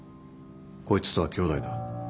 こいつとは兄弟だ。